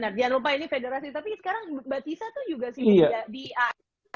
tapi sekarang mbak tisa tuh juga di ais